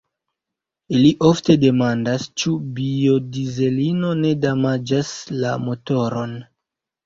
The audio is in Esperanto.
Ili ofte demandas, ĉu biodizelino ne damaĝas la motoron.